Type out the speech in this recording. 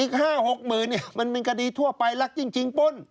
อีก๕๖หมื่นเนี่ยมันเป็นกดีทั่วไปละจริงปุ้น